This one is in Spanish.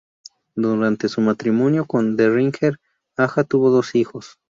Durante su matrimonio con Derringer, Aja tuvo dos hijos.